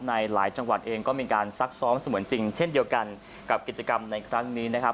ในหลายจังหวัดเองก็มีการซักซ้อมเสมือนจริงเช่นเดียวกันกับกิจกรรมในครั้งนี้นะครับ